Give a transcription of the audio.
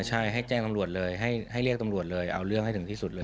ใช่ให้แจ้งตำรวจเลยให้เรียกตำรวจเลยเอาเรื่องให้ถึงที่สุดเลย